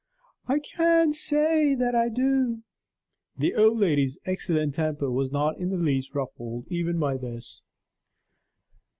"I can't say that I do." The old lady's excellent temper was not in the least ruffled, even by this.